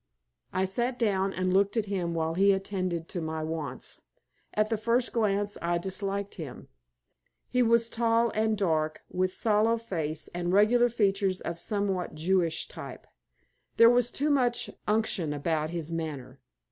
I sat down and looked at him while he attended to my wants. At the first glance I disliked him. He was tall and dark, with sallow face and regular features of somewhat Jewish type. There was too much unction about his manner.